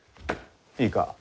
いいか？